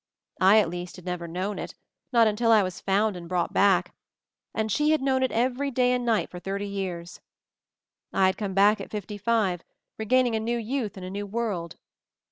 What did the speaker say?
I, at least, had never known it, not until I was found and brought back, and she had known it every day and night for thirty years. I had come back at fifty five, regaining a new youth in a new world.